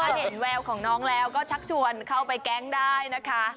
เห็นแววของน้องแล้วก็ชักชวนเข้าไปแก๊งได้นะคะ